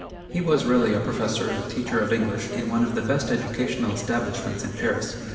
He was really a "Professor" and teacher of English in one of the best educational establishments in Paris.